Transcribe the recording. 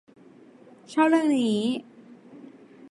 ชอบเรื่องนี้